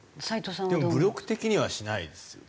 でも武力的にはしないですよね。